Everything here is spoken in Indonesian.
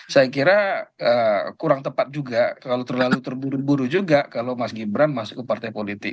saya kira kurang tepat juga kalau terlalu terburu buru juga kalau mas gibran masuk ke partai politik